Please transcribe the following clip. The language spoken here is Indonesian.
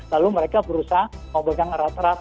lalu mereka berusaha mau pegang rat rat